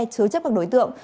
chứa chấp các đối tượng